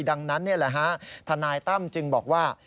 ดังนั้นนี่แหละฮะทนายตั้มจึงบอกว่า